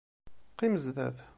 Qqim zdat.